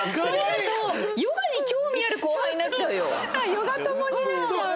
ヨガ友になっちゃう。